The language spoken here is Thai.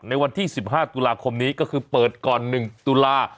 ในวันที่๑๕ตุลาคมนี้ก็คือเปิดก่อน๑ตุลา